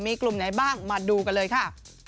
มีกลุ่มไหนบ้างมาดูกันเลยค่ะ